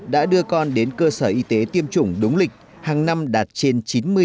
đã đưa con đến cơ sở y tế tiêm chủng đúng lịch hàng năm đạt trên chín mươi